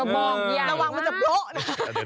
ประวังว่ามันจะโป๊ะชักพุทธ